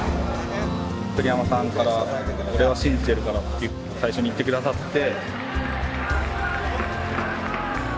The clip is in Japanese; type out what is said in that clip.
栗山さんから「俺は信じてるから」って最初に言ってくださって。